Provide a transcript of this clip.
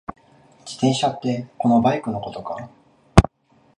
自転車ってこのバイクのことか？